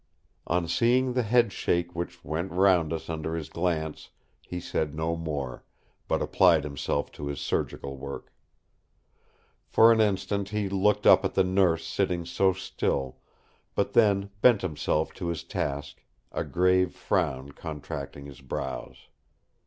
On seeing the headshake which went round us under his glance, he said no more, but applied himself to his surgical work. For an instant he looked up at the Nurse sitting so still; but then bent himself to his task, a grave frown contracting his brows.